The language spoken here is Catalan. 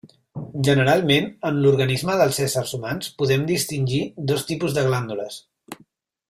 Generalment, en l'organisme dels éssers humans podem distingir dos tipus de glàndules.